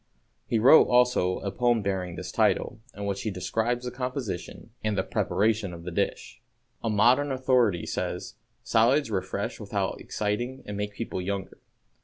He wrote, also, a poem bearing this title, in which he describes the composition and preparation of the dish. A modern authority says, "Salads refresh without exciting and make people younger."